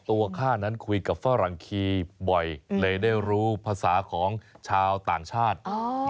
ข้านั้นคุยกับฝรั่งคีย์บ่อยเลยได้รู้ภาษาของชาวต่างชาติ